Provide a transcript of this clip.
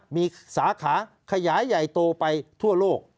มีสาขาขยายใหญ่โตไปทั่วโลก